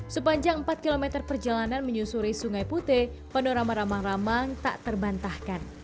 sepanjang empat km perjalanan menyusuri sungai putih panorama ramang ramang tak terbantahkan